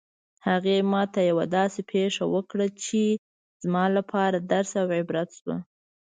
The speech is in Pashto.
هغې ما ته یوه داسې پېښه وکړه چې زما لپاره درس او عبرت شوه